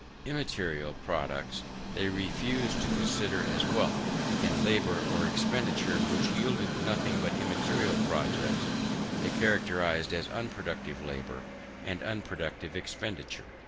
Immaterial products they refused to consider as wealth; and labour or expenditure which yielded nothing but immaterial products, they characterised as unproductive labour and unproductive expenditure.